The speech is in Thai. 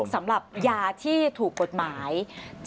สำหรับยาที่ถูกประโยชน์ไหม